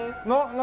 何？